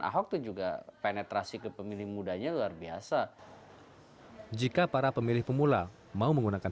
ahok tuh juga penetrasi ke pemilih mudanya luar biasa jika para pemilih pemula mau menggunakan